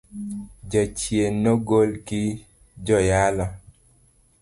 Jachien no gol gi joyalo.